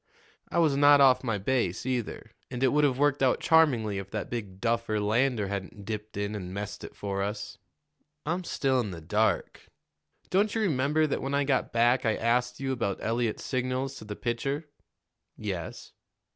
I was not off my base, either, and it would have worked out charmingly if that big duffer, Lander, hadn't dipped in and messed it for us." "I'm still in the dark." "Don't you remember that when I got back I asked you about Eliot's signals to the pitcher?" "Yes."